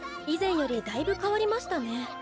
以前よりだいぶ変わりましたね。